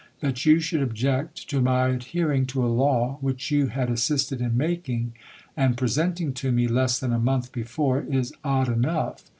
That you should object to my adhering to a law, which you had assisted in making, and presenting tome, less than a month before, is odd enough.